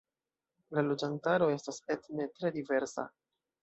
La loĝantaro estas etne tre diversa.